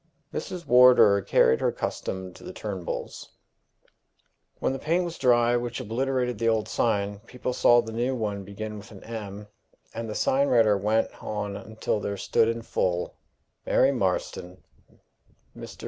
Mrs. Wardour carried her custom to the Turnbulls. When the paint was dry which obliterated the old sign, people saw the now one begin with an M., and the sign writer went on until there stood in full, Mary Marston. Mr.